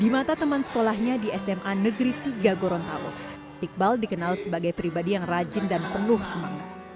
di mata teman sekolahnya di sma negeri tiga gorontalo iqbal dikenal sebagai pribadi yang rajin dan penuh semangat